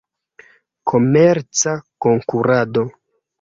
Komerca Konkurado.